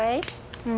うん。